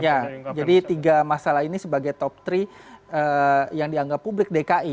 ya jadi tiga masalah ini sebagai top tiga yang dianggap publik dki